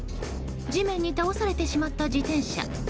地面に倒されてしまった自転車。